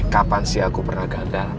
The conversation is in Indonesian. kapan sih aku pernah gagal